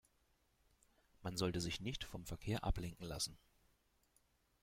Man sollte sich nicht vom Verkehr ablenken lassen.